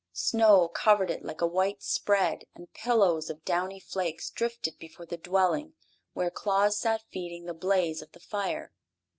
Snow covered it like a white spread and pillows of downy flakes drifted before the dwelling where Claus sat feeding the blaze of the fire.